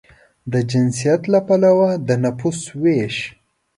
د جنسیت له پلوه د نفوسو وېش